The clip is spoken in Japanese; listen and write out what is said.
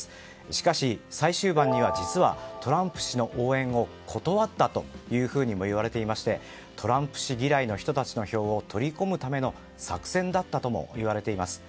しかし、最終盤には実は、トランプ氏の応援を断ったというふうにも言われていましてトランプ氏嫌いの人たちの票を取り込むための作戦だったともいわれています。